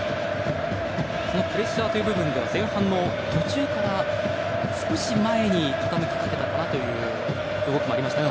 プレッシャーという部分では前半の途中から少し前に傾きかけたかなという動きがありましたが。